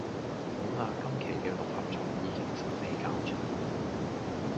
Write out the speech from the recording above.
好喇今期嘅六合彩已經順利攪出